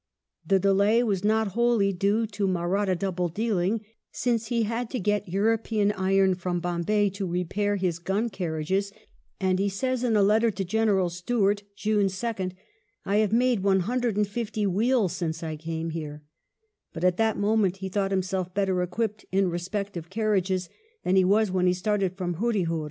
The delay was not wholly due to Mahratta double dealing, since he had to get European iron frpm Bombay to repair his gun carriages, and he says in a letter to General Stuart, June 2nd, " I have made 150 wheels since I came here "; but, at that moment, he thought himself better equipped, in respect of carriages, than he was when he started from Hurryhur.